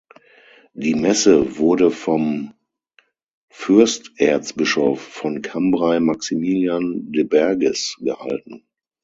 Die Messe wurde vom Fürsterzbischof von Cambrai Maximilian de Berghes gehalten.